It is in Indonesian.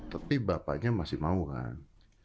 tapi bapaknya masih mau kan